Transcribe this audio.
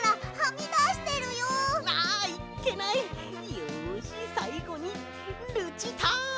よしさいごにルチタン！